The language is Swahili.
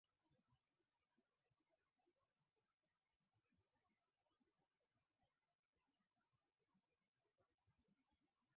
kadhaa ndani ya mji Lakini kwa jumla ukuta ulikuwa imara na mizinga midogo mno